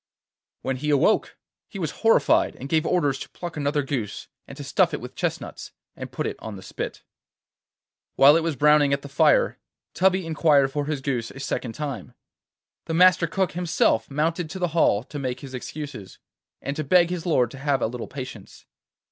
When he awoke he was horrified, and gave orders to pluck another goose, to stuff it with chestnuts, and put it on the spit. While it was browning at the fire, Tubby inquired for his goose a second time. The Master Cook himself mounted to the hall to make his excuses, and to beg his lord to have a little patience.